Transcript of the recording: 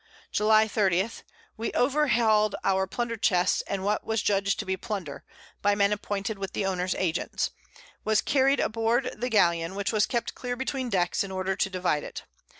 July 30. We over hall'd our Plunder Chests, and what was judged to be Plunder, (by Men appointed with the Owners Agents) was carried aboard the Galeon, which was kept clear between Decks, in order to divide it.